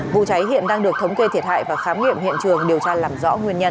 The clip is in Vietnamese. vụ cháy hiện đang được thống kê thiệt hại và khám nghiệm hiện trường điều tra làm rõ nguyên nhân